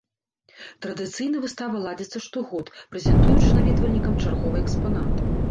Традыцыйна выстава ладзіцца штогод, прэзентуючы наведвальнікам чарговыя экспанаты.